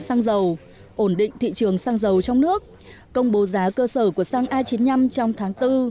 xăng dầu ổn định thị trường xăng dầu trong nước công bố giá cơ sở của xăng a chín mươi năm trong tháng bốn